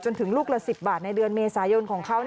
ถึงลูกละ๑๐บาทในเดือนเมษายนของเขา